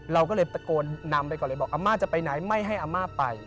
เราก็เลยตะโกนนำไปก่อนเลยบอกอาม่าจะไปไหนไม่ให้อาม่าไป